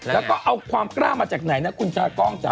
แล้วก็เอาความกล้ามาจากไหนนะ